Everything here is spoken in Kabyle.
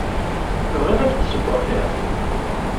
Tebɣiḍ ad ak-d-ssewweɣ kra?